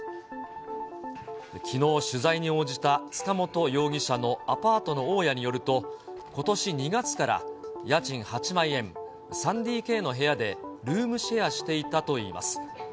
きのう、取材に応じた塚本容疑者のアパートの大家によると、ことし２月から、家賃８万円、３ＤＫの部屋でルームシェアしていたといいます。